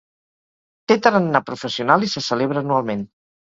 Té tarannà professional i se celebra anualment.